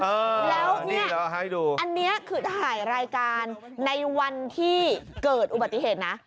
เออแล้วเนี่ยอันนี้คือถ่ายรายการในวันที่เกิดอุบัติเหตุนะ